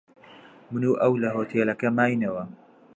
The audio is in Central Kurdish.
من و ئەو لە هۆتێلەکە ماینەوە.